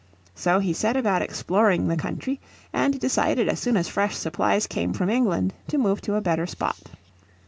So he set about exploring the country, and decided as soon as fresh supplies came from England to move to a better spot.